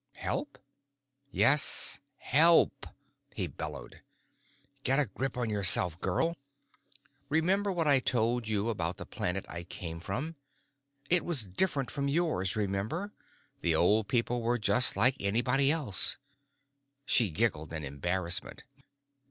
"Help?" "Yes, help!" he bellowed. "Get a grip on yourself, girl. Remember what I told you about the planet I came from? It was different from yours, remember? The old people were just like anybody else." She giggled in embarrassment.